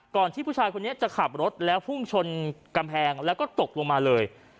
ที่ผู้ชายคนนี้จะขับรถแล้วพุ่งชนกำแพงแล้วก็ตกลงมาเลย